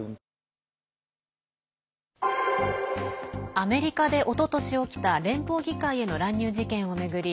アメリカでおととし起きた連邦議会への乱入事件を巡り